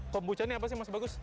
kombucan ini apa sih mas bagus